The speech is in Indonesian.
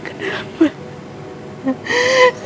gapapa getah kan